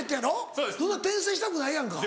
そんなん転生したくないやんか。